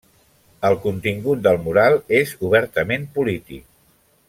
El contingut del mural és obertament polític.